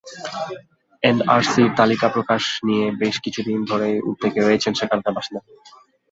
এনআরসির তালিকা প্রকাশ নিয়ে বেশ কিছুদিন ধরেই উদ্বেগে রয়েছেন সেখানকার বাসিন্দারা।